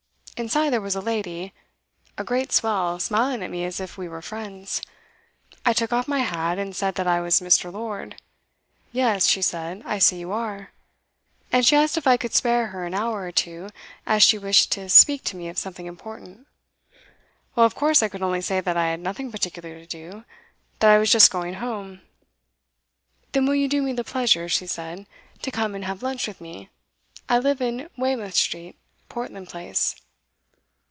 Inside there was a lady a great swell, smiling at me as if we were friends. I took off my hat, and said that I was Mr. Lord. "Yes," she said, "I see you are;" and she asked if I could spare her an hour or two, as she wished to speak to me of something important. Well, of course I could only say that I had nothing particular to do, that I was just going home. "Then will you do me the pleasure," she said, "to come and have lunch with me? I live in Weymouth Street, Portland Place."